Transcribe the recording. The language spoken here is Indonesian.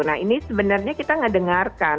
nah ini sebenarnya kita ngedengarkan